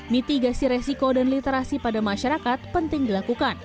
mitigasi resiko dan literasi pada masyarakat penting dilakukan